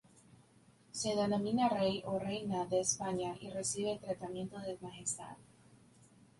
Se denomina rey o reina de España y recibe el tratamiento de majestad.